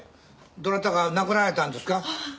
どなたか亡くなられたんどすか？